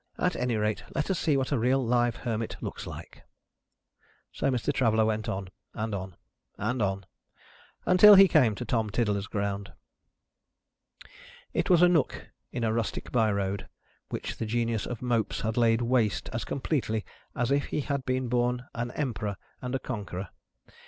"At any rate, let us see what a real live Hermit looks like." So, Mr. Traveller went on, and on, and on, until he came to Tom Tiddler's Ground. It was a nook in a rustic by road, which the genius of Mopes had laid waste as completely, as if he had been born an Emperor and a Conqueror.